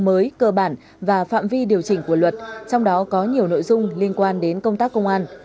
mới cơ bản và phạm vi điều chỉnh của luật trong đó có nhiều nội dung liên quan đến công tác công an